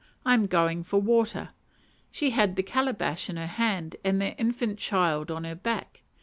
I am going for water." She had the calibash in her hand and their infant child on her back.